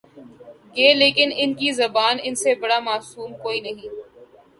گے لیکن ان کی زبانی ان سے بڑا معصوم کوئی نہیں۔